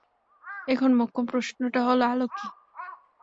এখন মোক্ষম প্রশ্নটা হলো, আলো কী?